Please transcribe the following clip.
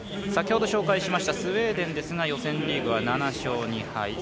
先ほど紹介しましたスウェーデンですが予選リーグは７勝２敗。